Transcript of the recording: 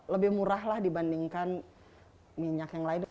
lebih murah lah dibandingkan minyak yang lain